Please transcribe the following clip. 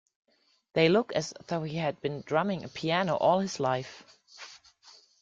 They look as though he had been drumming a piano all his life.